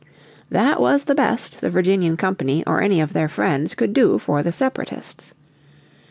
That was the best the Virginian Company or any of their friends could do for the Separatists.